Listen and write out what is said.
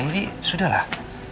ini sudah lah